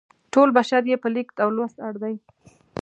ټول بشر یې په لیک او لوست اړ دی.